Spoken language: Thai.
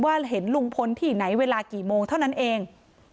เห็นลุงพลที่ไหนเวลากี่โมงเท่านั้นเอง